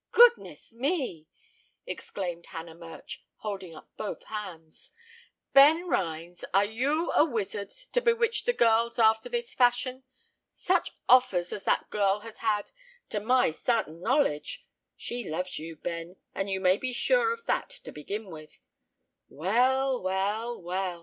goodness me!" exclaimed Hannah Murch, holding up both hands. "Ben Rhines, are you a wizard, to bewitch the girls after this fashion? Such offers as that girl has had, to my sartin knowledge! She loves you, Ben, and you may be sure of that to begin with. Well! well! well!